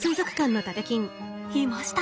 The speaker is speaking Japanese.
いました。